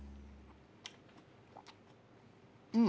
うん。